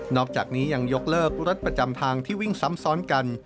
อกจากนี้ยังยกเลิกรถประจำทางที่วิ่งซ้ำซ้อนกัน